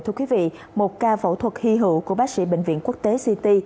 thưa quý vị một ca phẫu thuật hy hữu của bác sĩ bệnh viện quốc tế ct